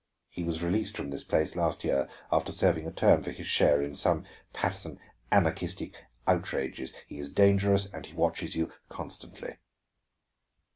He was released from this place last year, after serving a term for his share in some Paterson anarchistic outrages. He is dangerous, and he watches you constantly."